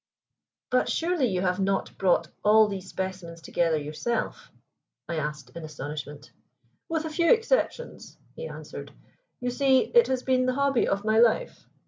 "But surely you have not brought all these specimens together yourself?" I asked in astonishment. "With a few exceptions," he answered. "You see it has been the hobby of my life.